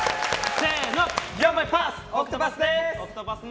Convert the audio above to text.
せーの。